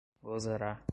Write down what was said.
gozará